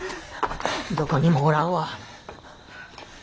どこにもおらんわ。